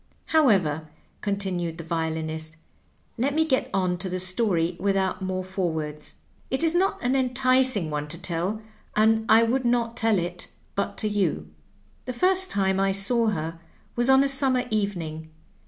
However," con tinued the violinist, " let me get on to the stoiy without more forewords. It is not an enticing one to tell, and I would not tell it but to you. " The first time I saw her was on a summer evening.